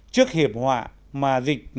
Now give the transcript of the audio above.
trước hiệp họa mà dịch